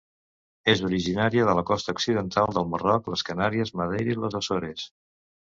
És originària de la costa occidental del Marroc, les Canàries, Madeira i les Açores.